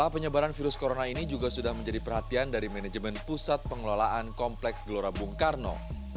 penyebaran virus corona ini juga sudah menjadi perhatian dari manajemen pusat pengelolaan kompleks gelora bung karno